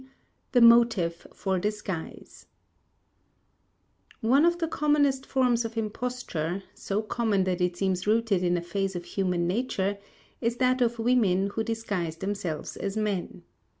THE MOTIVE FOR DISGUISE One of the commonest forms of imposture so common that it seems rooted in a phase of human nature is that of women who disguise themselves as men.